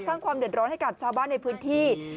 สร้างความเดือดร้อนให้กับชาวบ้านในพื้นที่